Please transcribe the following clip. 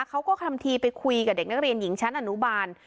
เขาก็ทำทีไปคุยกับเด็กนักเรียนหญิงชั้นอนุบาล